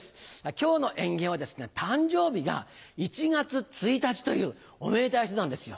今日の演芸はですね誕生日が１月１日というおめでたい人なんですよ。